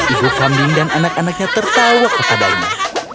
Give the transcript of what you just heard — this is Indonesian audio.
ibu kandung dan anak anaknya tertawa kepadanya